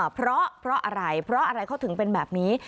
เพราะอะไรเพราะอะไรเขาถึงเป็นแบบนี้